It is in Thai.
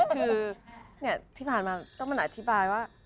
คือเนี่ยที่ผ่านมาก็มันอธิบายว่า